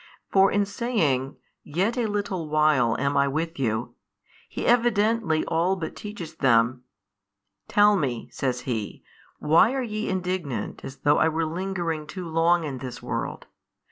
For in saying, Yet a little while am I with you, He evidently all but teaches them, Tell Me (says He) why are ye indignant as though I were lingering too long in this world?